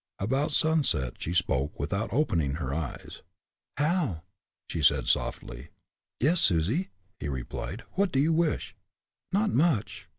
About sunset she spoke, without opening her eyes. "Hal!" she said, softly. "Yes, Susie," he replied; "what do you wish?" "Not much.